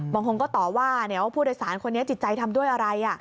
บางคนก็ตอบว่าเดี๋ยวผู้โดยสารคนนี้จิตใจทำด้วยอะไร